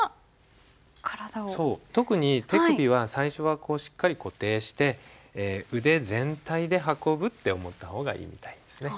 特に手首は最初はこうしっかり固定して腕全体で運ぶって思った方がいいみたいですね。